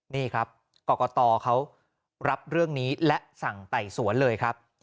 นี่ครับกรกตเขารับเรื่องนี้และสั่งไต่สวนเลยครับ